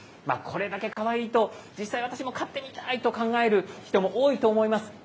これだけかわいいと、実際、私も飼ってみたいと考える人も多いと思います。